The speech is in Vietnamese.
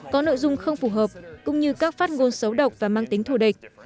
có nội dung không phù hợp cũng như các phát ngôn xấu độc và mang tính thù địch